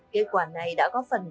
kết quả này đã có phần cao